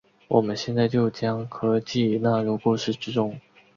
我们现在就将科技纳入故事之中。